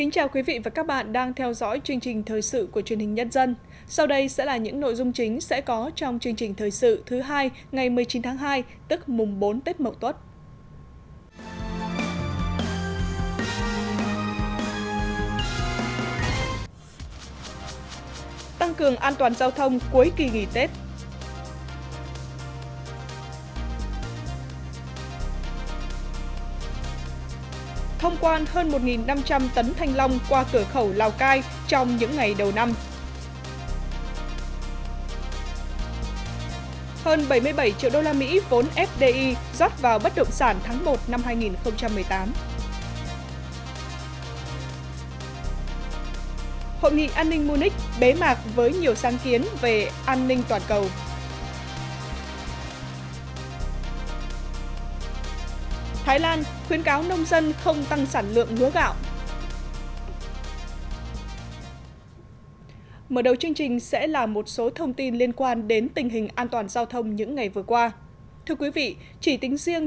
các bạn hãy đăng ký kênh để ủng hộ kênh của chúng mình nhé